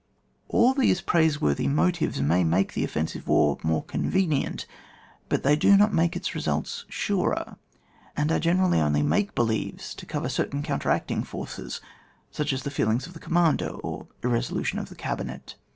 All these praiseworthy motives may make the offensive war more convenient^ but they do not make its results surer, and are generally only make believes to cover certain coimteracting forces, such as the feelings of the commander or ir resolution in the cabinet.